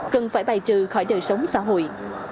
cần phải bài trừ khỏi đời sống xã hội